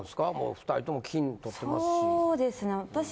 ２人とも金獲ってますし。